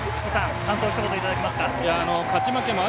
感想をひと言いただけますか。